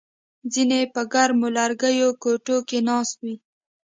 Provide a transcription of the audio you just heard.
ځینې په ګرمو لرګیو کوټو کې ناست وي